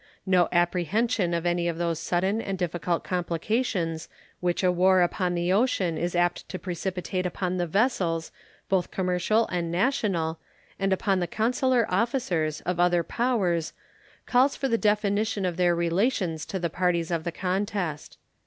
No apprehension of any of those sudden and difficult complications which a war upon the ocean is apt to precipitate upon the vessels, both commercial and national, and upon the consular officers of other powers calls for the definition of their relations to the parties to the contest.